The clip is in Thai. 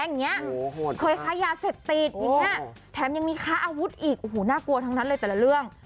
อย่างนี้เคยค้ายาเสพติดอย่างนี้แถมยังมีค้าอาวุธอีกโอ้โหน่ากลัวทั้งนั้นเลยแต่ละเรื่อง